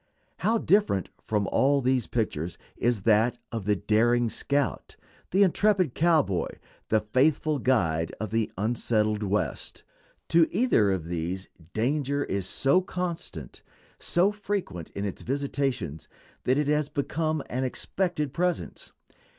How different from all these pictures is that of the daring scout, the intrepid cowboy, the faithful guide, of the unsettled West. To either of these danger is so constant, so frequent in its visitations, that it has become an expected presence.